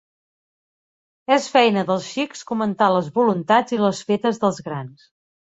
És feina dels xics comentar les voluntats i les fetes dels grans.